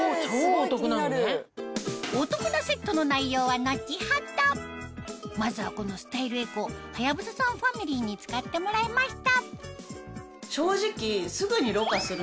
お得なセットの内容は後ほどまずはこのスタイルエコはやぶささんファミリーに使ってもらいました